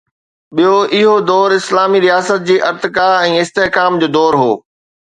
ٻيو، اهو دور اسلامي رياست جي ارتقا ۽ استحڪام جو دور هو.